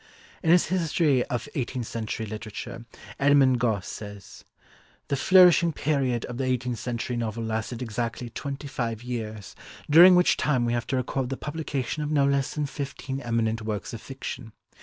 In his History of Eighteenth Century Literature Edmund Gosse says: "The flourishing period of the eighteenth century novel lasted exactly twenty five years, during which time we have to record the publication of no less than fifteen eminent works of fiction.